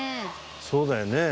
そうだよね。